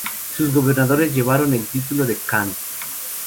Sus gobernadores llevaron el título de "khan".